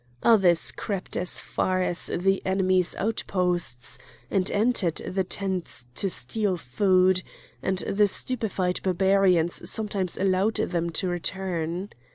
Others crept as far as the enemy's outposts, and entered the tents to steal food, and the stupefied Barbarians sometimes allowed them to return.